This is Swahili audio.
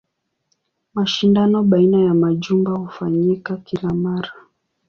Mashindano baina ya majumba hufanyika kila mara.